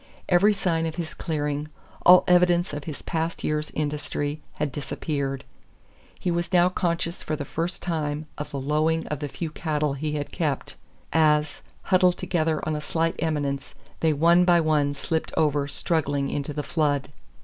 Every sign of his clearing, all evidence of his past year's industry, had disappeared. He was now conscious for the first time of the lowing of the few cattle he had kept as, huddled together on a slight eminence, they one by one slipped over struggling into the flood.